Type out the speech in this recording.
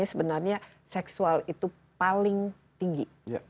sebenarnya seksual itu paling tinggi